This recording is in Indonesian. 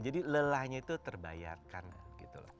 jadi lelahnya itu terbayarkan gitu loh